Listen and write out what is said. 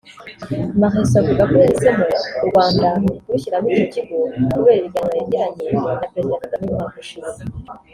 Marescaux avuga ko yahisemo u Rwanda kurushyiramo icyo kigo kubera ibiganiro yagiranye na Perezida Kagame mu mwaka ushize